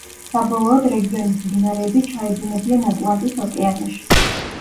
საბოლოოდ რეგიონის მდინარეები ჩაედინებიან ატლანტის ოკეანეში.